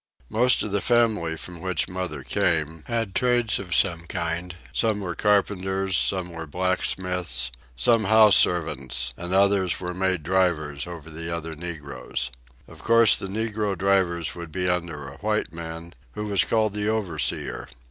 Most of the family from which mother came, had trades of some kind; some were carpenters, some were blacksmiths, some house servants, and others were made drivers over the other negroes. Of course the negro drivers would be under a white man, who was called the overseer.